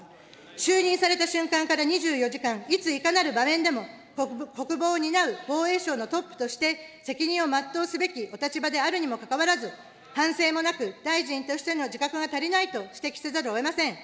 就任された瞬間から２４時間、いついかなる場面でも、国防を担う防衛省のトップとして責任を全うすべきお立場であるにもかかわらず、反省もなく、大臣としての自覚が足りないと指摘せざるをえません。